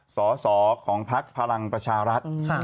สอสอของพักพลังประชารัฐ